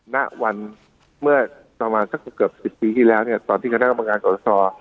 ณวันเมื่อต่อมาสักเกือบสิบปีที่แล้วเนี้ยตอนที่คุณแรกรอบงานโรศาล